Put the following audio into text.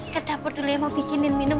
ke dapur dulu ya mau bikinin minum